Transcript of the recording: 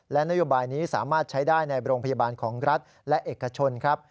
และนโยบายนี้สามารถใช้ได้ในโรงพยาบาลของรัฐและเอกชนครับ